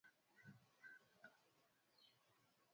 clinton amesema huu ni wakati wa kuangalia masuala muhimu